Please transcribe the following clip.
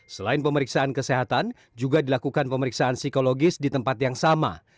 selain pemeriksaan kesehatan juga dilakukan pemeriksaan psikologis di tempat yang sama